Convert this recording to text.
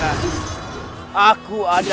aku akan menguasai